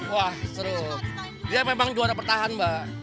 wah seru dia memang juara bertahan mbak